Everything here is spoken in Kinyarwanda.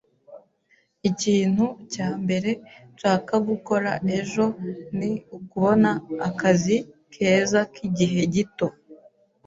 Ikintu cya mbere nshaka gukora ejo ni ukubona akazi keza k'igihe gito.